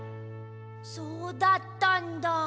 そうだったんだ。